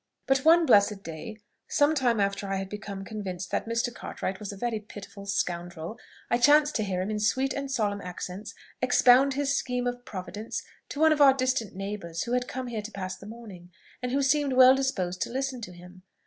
But one blessed day, some time after I had become convinced that Mr. Cartwright was a very pitiful scoundrel, I chanced to hear him in sweet and solemn accents expound his scheme of providence to one of our distant neighbours who came here to pass the morning, and who seemed well disposed to listen to him.